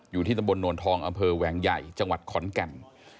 อยู่ที่ตำบลโนนทองอำเภอแหวงใหญ่จังหวัดขอนแก่น